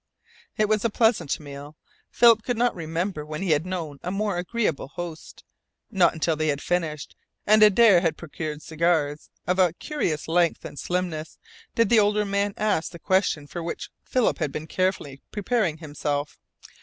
It was a pleasant meal. Philip could not remember when he had known a more agreeable host. Not until they had finished, and Adare had produced cigars of a curious length and slimness, did the older man ask the question for which Philip had been carefully preparing himself.